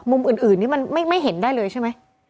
อื่นนี่มันไม่เห็นได้เลยใช่ไหม